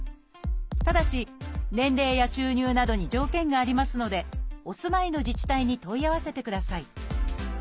ただし年齢や収入などに条件がありますのでお住まいの自治体に問い合わせてください。